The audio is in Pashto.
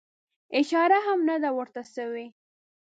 اشاره هم نه ده ورته سوې.